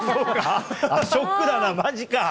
ショックだな、まじか。